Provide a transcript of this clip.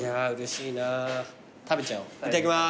いただきます。